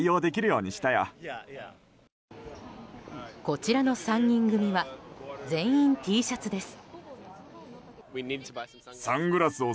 こちらの３人組は全員Ｔシャツです。